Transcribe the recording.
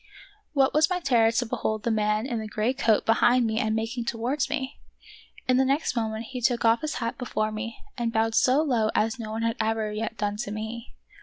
What was my terror to behold the man in the gray coat behind me and making towards me ! In the next moment he took off his hat before me and bowed so low as no one had ever yet done to me.